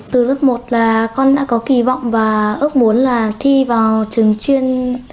từ lớp một là con đã có kỳ vọng và ước muốn là thi vào trường chuyên